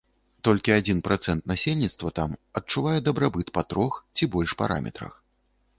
Толькі адзін працэнт насельніцтва там адчувае дабрабыт па трох ці больш параметрах.